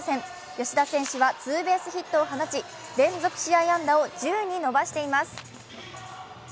吉田選手はツーベースヒットを放ち連続試合安打を１０に伸ばしています。